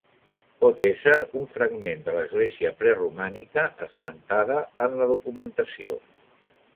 Pot ésser un fragment de l'església preromànica esmentada en la documentació.